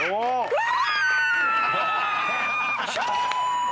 うわ！